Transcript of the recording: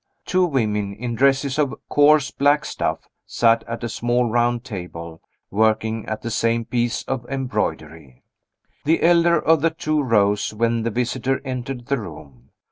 Two women, in dresses of coarse black stuff, sat at a small round table, working at the same piece of embroidery. The elder of the two rose when the visitor entered the room.